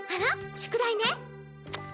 宿題ね。